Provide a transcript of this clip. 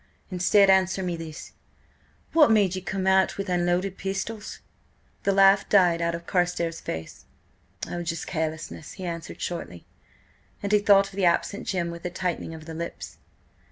Instead, answer me this: what made ye come out with unloaded pistols?" The laugh died out of Carstares' face. "Oh, just carelessness!" he answered shortly, and he thought of the absent Jim with a tightening of the lips.